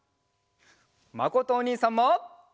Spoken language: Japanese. まことおにいさんも。